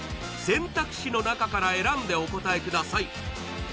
選択肢のなかから選んでお答えください